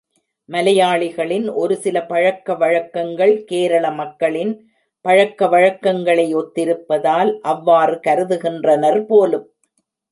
மலையாளிகளின் ஒருசில பழக்க வழக்கங்கள் கேரள மக்களின் பழக்க வழக்கங்களை ஒத்திருப்பதால் அவ்வாறு கருதுகின்றனர் போலும்.